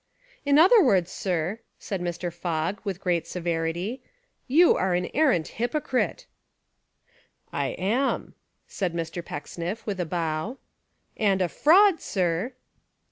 222 Fiction and Reality "In other words, sir," said Mr. Fogg, with great severity, "you are an arrant hypocrite." "I am," said Mr. Pecksniff, with a bow. "And a fraud, sir."